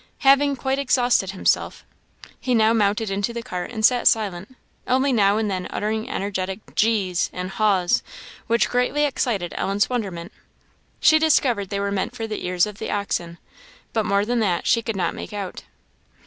Having quite exhausted himself, he now mounted into the cart and sat silent, only now and then uttering energetic "Gees!" and "Haws!" which greatly excited Ellen's wonderment. She discovered they were meant for the ears of the oxen, but more than that she could not make out.